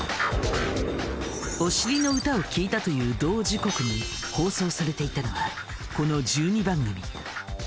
お尻の歌を聴いたという同時刻に放送されていたのはこの１２番組。